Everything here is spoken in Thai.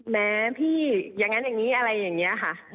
แม้พี่อย่างนั้นอย่างนี้อะไรอย่างนี้ค่ะ